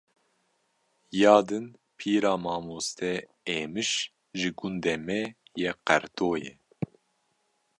Ya din pîra mamoste Êmiş ji gundê me yê Qerto ye